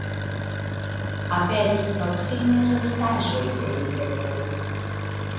Aperis proksime restaĵoj de iberoj.